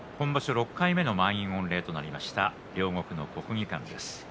６回目の満員御礼となりました、両国の国技館です。